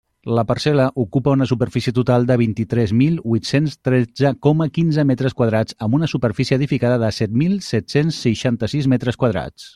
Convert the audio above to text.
La parcel·la ocupa una superfície total de vint-i-tres mil huit-cents tretze coma quinze metres quadrats amb una superfície edificada de set mil set-cents seixanta-sis metres quadrats.